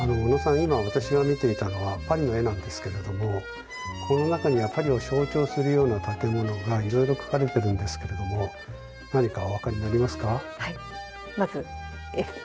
今私が見ていたのはパリの絵なんですけれどもこの中にはパリを象徴するような建物がいろいろ描かれてるんですけれども何かお分かりになりますか？